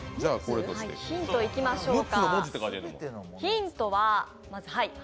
ヒントいきましょうか。